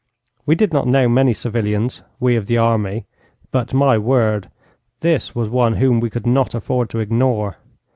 We did not know many civilians, we of the army, but, my word, this was one whom we could not afford to ignore!